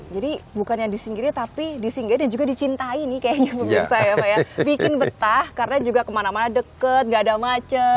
bukan yang disinggiri tapi di singgir dan juga dicintai nih kayaknya pemirsa ya pak ya bikin betah karena juga kemana mana deket gak ada macet